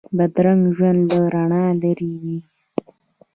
بدرنګه ژوند له رڼا لرې وي